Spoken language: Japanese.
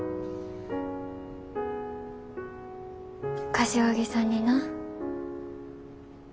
柏木さんにな。